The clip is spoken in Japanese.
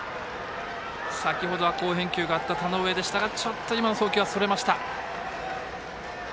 先ほどは好返球があった田上でしたがちょっと今の送球はそれました。